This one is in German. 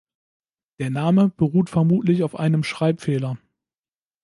Der Name beruht vermutlich auf einem Schreibfehler.